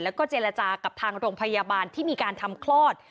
แล้วก็เจรจากับทางโรงพยาบาลที่มีการทำคลอด